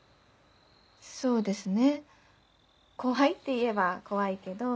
そうですね怖いっていえば怖いけど。